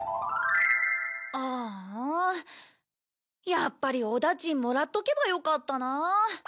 やっぱりお駄賃もらっとけばよかったなあ。